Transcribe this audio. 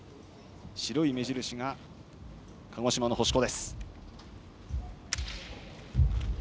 白い目印が鹿児島の星子。